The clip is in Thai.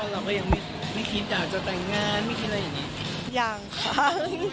เราก็ยังไม่คิดอยากจะแต่งงานไม่คิดอะไรอย่างนี้